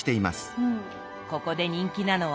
ここで人気なのは？